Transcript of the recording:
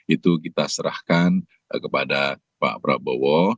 itu kita serahkan kepada pak prabowo